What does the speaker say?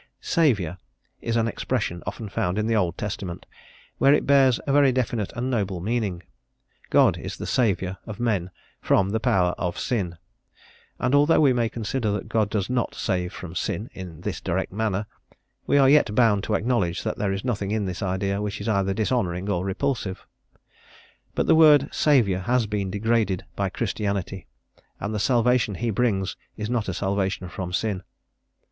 "Saviour," is an expression often found in the Old Testament, where it bears a very definite and noble meaning. God is the Saviour of men from the power of sin, and although we may consider that God does not save from sin in this direct manner, we are yet bound to acknowledge that there is nothing in this idea which is either dishonouring or repulsive. But the word "Saviour" has been degraded by Christianity, and the salvation He brings is not a salvation from sin.